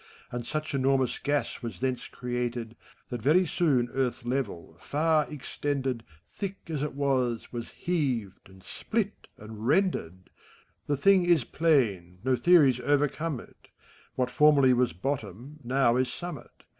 And such enormous gas was thence created. That very soon Earth's level, far extended, Thick as it was, was heaved, and split, and rended I The thing is plain, no theories overcome it : What formerly was bottom, now is sunmiit.